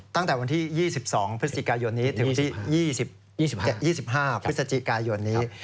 ตั้งแต่วันที่๒๒พฤศจิกายนนี้ถึง๒๗๒๕พฤศจิกายนนี้